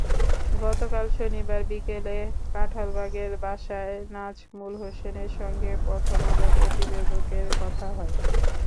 গতকাল শনিবার বিকেলে কাঁঠালবাগানের বাসায় নাজমুল হোসেনের সঙ্গে প্রথম আলো প্রতিবেদকের কথা হয়।